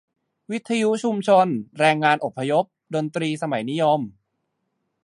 วิทยุชุมชน-แรงงานอพยพ-ดนตรีสมัยนิยม